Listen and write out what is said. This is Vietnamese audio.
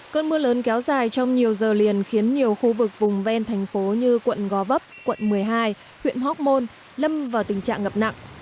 cơn mưa lớn kéo dài trong nhiều giờ liền khiến nhiều khu vực vùng ven thành phố như quận gò vấp quận một mươi hai huyện hoc mon lâm vào tình trạng ngập nặng